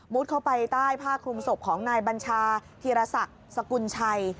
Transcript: เข้าไปใต้ผ้าคลุมศพของนายบัญชาธีรศักดิ์สกุลชัย